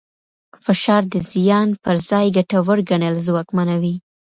فشار د زیان پر ځای ګټور ګڼل ځواکمنوي.